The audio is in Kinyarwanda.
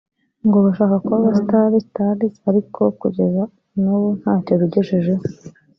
ngo bashaka kuba abasitari (stars) ariko kugeza nubu ntacyo bigejejeho